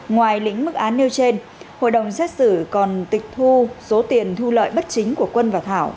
ngoài lĩnh mức án nêu trên hội đồng xét xử còn tịch thu số tiền thu lợi bất chính của quân và thảo